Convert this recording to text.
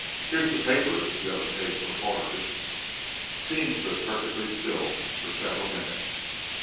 Here's the paper, if you have a taste for horrors." Deane stood perfectly still for several minutes.